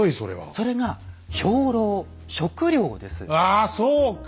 それがああそうか！